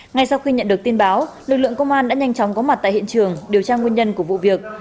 ngay sau khi nhận được tin báo lực lượng công an đã nhanh chóng có mặt tại hiện trường điều tra nguyên nhân của vụ việc